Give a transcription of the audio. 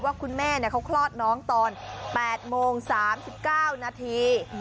ว่าคุณแม่เขาคลอดน้องตอน๘โมง๓๙นาที